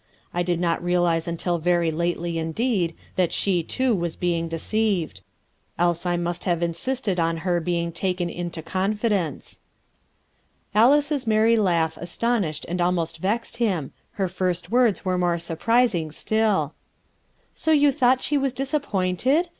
I did not realize until very lately indeed that she too was being deceived; else I must have insisted en her being taken into confidence/' Alice's merry laugh astonished and almost vexed him, her first words were more surprising stilL "So you thought she was disappointed?